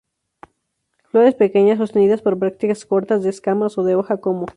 Flores pequeñas, sostenidas por brácteas cortas, de escamas o de hoja-como.